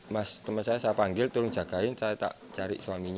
mas teman saya saya panggil tolong jagain saya tak cari suaminya